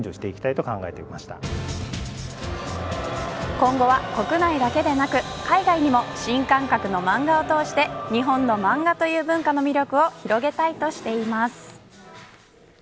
今後は、国内だけでなく海外にも新感覚の漫画を通して日本の漫画という文化の魅力を広げたいとしています。